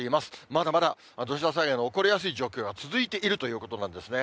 まだまだ土砂災害の起こりやすい状況が続いているということなんですね。